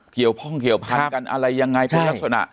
เกี่ยวข้องเกี่ยวพันธุ์กันอะไรยังไงเป็นลักษณะ